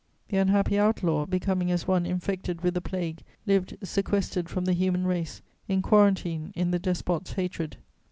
The unhappy outlaw, becoming as one infected with the plague, lived sequestered from the human race, in quarantine in the despot's hatred.